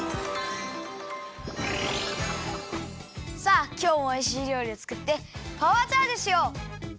さあきょうもおいしいりょうりをつくってパワーチャージしよう！